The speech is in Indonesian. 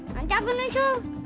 nanti aku menunjuk